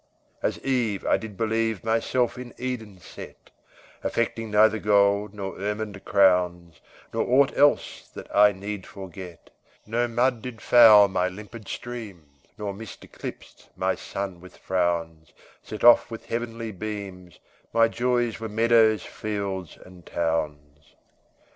As Eve, I did believe Myself in Eden set, Affecting neither gold nor ermined crowns, Nor aught else that I need foget; No mud did foul my limpid streams, Nor mist eclipsed my sun with frowns; Set off with heav'nly beams, My joys were meadows, fields, and towns.